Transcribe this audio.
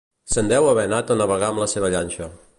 Se'n deu haver anat a navegar amb la seva llanxa